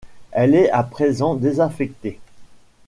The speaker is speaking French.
Elle est à présent désaffectée.